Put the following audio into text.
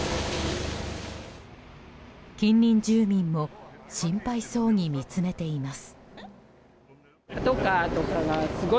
近隣住民も心配そうに見つめています。